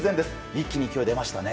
一気に勢いが出ましたね。